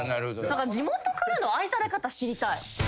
地元からの愛され方知りたい。